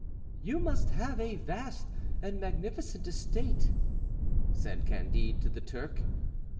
"You must have a vast and magnificent estate," said Candide to the Turk.